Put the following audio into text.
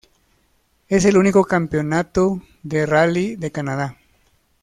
Es el único campeonato de rally de Canadá.